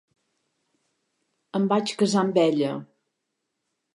Em vaig casar amb ella.